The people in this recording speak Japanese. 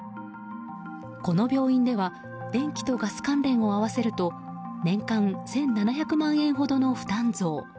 この病院では電気とガス関連を合わせると年間１７００万円ほどの負担増。